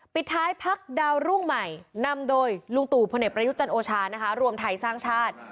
ปิดท้ายพักดาวรุ่งใหม่นำโดยลุงตู่พลเอกประยุทธ์จันโอชานะคะรวมไทยสร้างชาติ